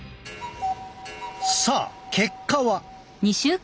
さあ結果は？